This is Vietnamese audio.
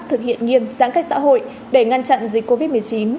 thực hiện nghiêm giãn cách xã hội để ngăn chặn dịch covid một mươi chín